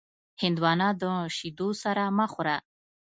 هندوانه د شیدو سره مه خوره.